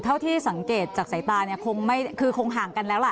เท่าที่สังเกตจากสายตาคงห่างกันแล้ว